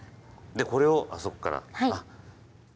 これを、あそこから。